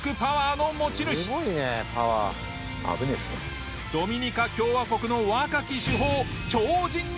ドミニカ共和国の若き主砲超人に認定。